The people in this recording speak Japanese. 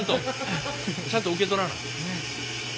ちゃんと受け取らな。